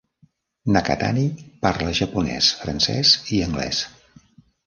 Nakatani parla japonès, francès i anglès.